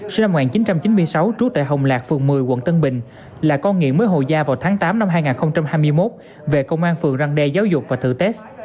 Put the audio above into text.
sinh năm một nghìn chín trăm chín mươi sáu trú tại hồng lạc phường một mươi quận tân bình là con nghiện mới hồ da vào tháng tám năm hai nghìn hai mươi một về công an phường răng đe giáo dục và thử test